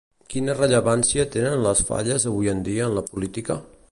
Quina rellevància tenen les Falles avui en dia en la política?